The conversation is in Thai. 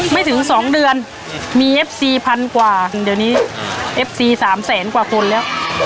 ไม่ถึงสองเดือนมีเอฟซีพันกว่าเดี๋ยวนี้เอฟซี๓แสนกว่าคนแล้ว